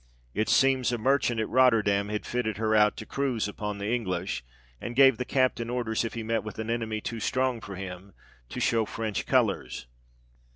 It seems a merchant at Rotterdam had fitted her out to cruise upon the English, and gave the Captain orders, if he met with an enemy too strong for him, to show French colours.